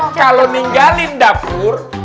kalau ninggalin dapur